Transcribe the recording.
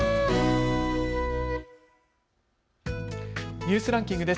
ニュースランキングです。